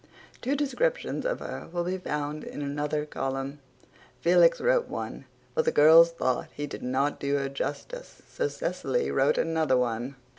Two descriptions of her will be found in another column. Felix wrote one, but the girls thought he did not do her justice, so Cecily wrote another one.